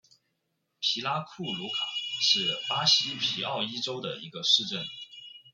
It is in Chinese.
皮拉库鲁卡是巴西皮奥伊州的一个市镇。